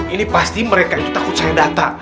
ini pasti mereka ini takut saya data